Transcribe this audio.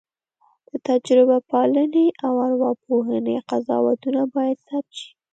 د تجربه پالنې او ارواپوهنې قضاوتونه باید ثبت شي.